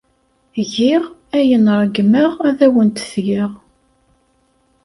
Giɣ ayen ay ṛeggmeɣ ad awen-t-geɣ.